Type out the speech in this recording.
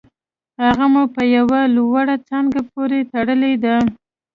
هغه مو په یوه لوړه څانګه پورې تړلې ده